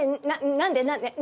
何で？